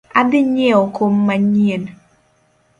Adhii nyieo kom manyien